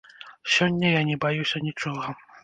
Сёння я не баюся нічога.